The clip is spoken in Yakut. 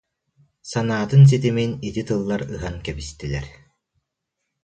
санаатын ситимин ити тыллар ыһан кэбистилэр